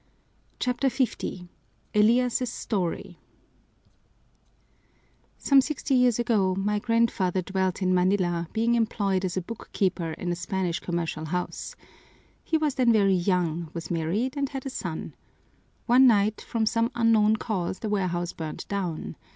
CHAPTER L Elias's Story "Some sixty years ago my grandfather dwelt in Manila, being employed as a bookkeeper in a Spanish commercial house. He was then very young, was married, and had a son. One night from some unknown cause the warehouse burned down.